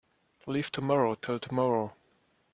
Leave tomorrow till tomorrow.